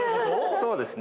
そうですね